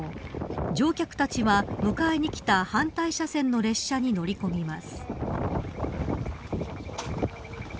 乗客たちは迎えに来た反対車線の列車に乗り込みます。